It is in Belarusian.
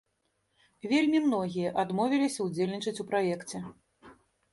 Вельмі многія адмовіліся ўдзельнічаць у праекце.